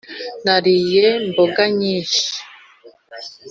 Nariye bombo nyinshi